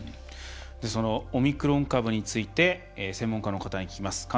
そのオミクロン株について専門家の方に聞きます。